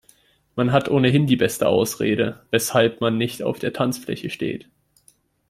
Man hat ohnehin die beste Ausrede, weshalb man nicht auf der Tanzfläche steht.